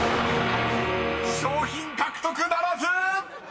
賞品獲得ならず！］